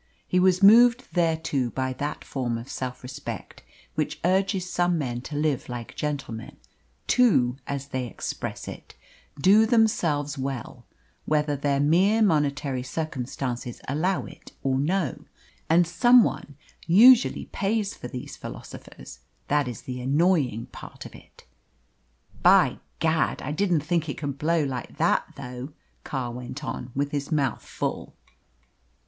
He was moved thereto by that form of self respect which urges some men to live like gentlemen, to, as they express it, "do themselves well," whether their mere monetary circumstances allow of it or no; and some one usually pays for these philosophers that is the annoying part of it. "By gad! I didn't think it could blow like that, though!" Carr went on, with his mouth full.